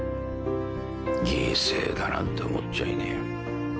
犠牲だなんて思っちゃいねえよ。